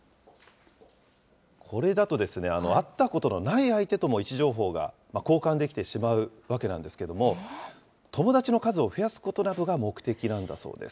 これだと、会ったことのない相手とも位置情報が交換できてしまうわけなんですけれども、友だちの数を増やすことなどが目的なんだそうです。